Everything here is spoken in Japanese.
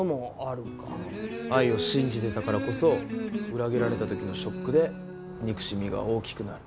愛を信じてたからこそ裏切られた時のショックで憎しみが大きくなる。